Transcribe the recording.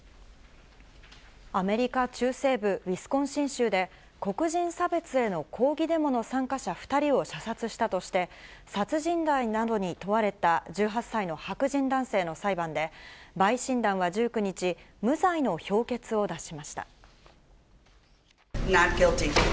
アメリカ中西部、ウィスコンシン州で、黒人差別への抗議デモの参加者２人を射殺したとして、殺人罪などに問われた１８歳の白人男性の裁判で、陪審団は１９日、無罪の評決を出しました。